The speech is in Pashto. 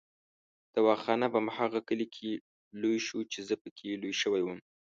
دوا خان په هماغه کلي کې لوی شو چې زه پکې لوی شوی وم.